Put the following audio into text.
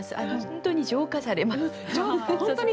本当に浄化されました。